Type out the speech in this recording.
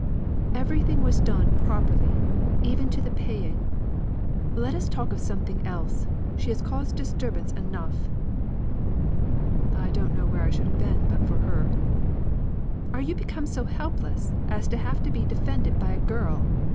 Everything was done properly, even to the paying. Let us talk of something else. She has caused disturbance enough." "I don't know where I should have been but for her." "Are you become so helpless as to have to be defended by a girl?"